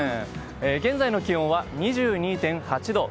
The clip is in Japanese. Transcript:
現在の気温は２２．８度。